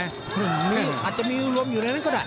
อาจจะมีรวมอยู่ในนั้นก็ได้